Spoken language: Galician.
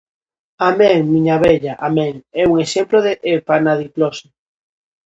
'Amén, miña vella, amén' é un exemplo de epanadiplose.